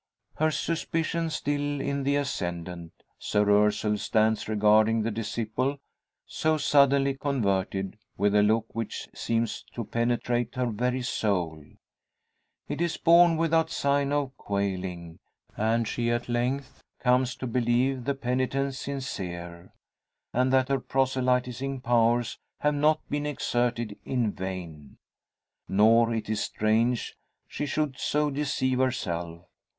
Her suspicion still in the ascendant, Soeur Ursule stands regarding the disciple, so suddenly converted, with a look which seems to penetrate her very soul. It is borne without sign of quailing, and she at length comes to believe the penitence sincere, and that her proselytising powers have not been exerted in vain. Nor is it strange she should so deceive herself.